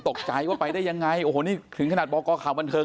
ตกใจว่าไปได้ยังไงโอ้โหนี่ถึงขนาดบอกกข่าวบันเทิง